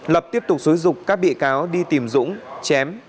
lập tiếp tục xúi dục các bị cáo đi tìm dũng chém